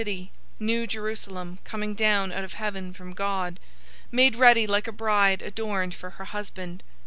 021:002 I saw the holy city, New Jerusalem, coming down out of heaven from God, made ready like a bride adorned for her husband.